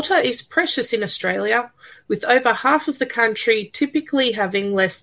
air di australia berharga dengan lebih dari setengah negara